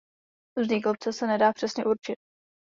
Vznik obce se nedá přesně určit.